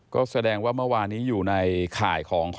ก็แสดงว่าเมื่อวานนี้อยู่ในข่ายของ